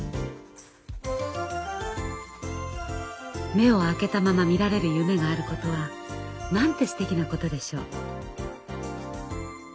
目を開けたまま見られる夢があることはなんてすてきなことでしょう。